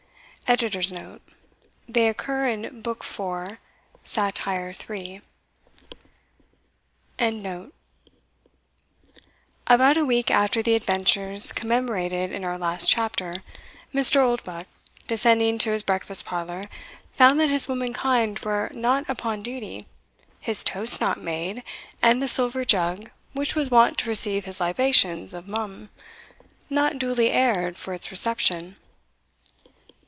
[They occur in Book iv. Satire iii.] About a week after the adventures commemorated in our last CHAPTER, Mr. Oldbuck, descending to his breakfast parlour, found that his womankind were not upon duty, his toast not made, and the silver jug, which was wont to receive his libations of mum, not duly aired for its reception.